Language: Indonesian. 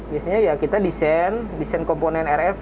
biasanya ya kita desain desain komponen rf